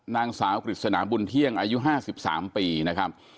นางสาวกฤษณาบุญเที่ยงอายุ๕๓ปีนะครับ